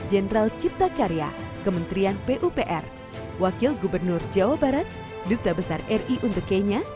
jenderal cipta karya kementerian pupr wakil gubernur jawa barat duta besar ri untuk kenya